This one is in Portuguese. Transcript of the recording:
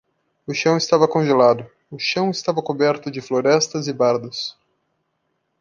O chão estava congelado; o chão estava coberto de florestas e bardos.